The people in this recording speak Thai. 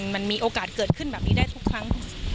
มันมีโอกาสเกิดขึ้นแบบนี้ได้ทุกครั้ง